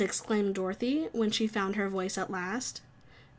exclaimed Dorothy, when she found her voice at last.